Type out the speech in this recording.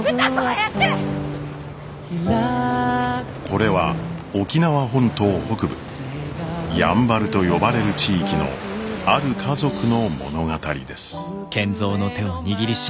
これは沖縄本島北部「やんばる」と呼ばれる地域のある家族の物語です。